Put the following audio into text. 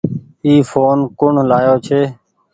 اي ڦون ڪوڻ لآيو ڇي۔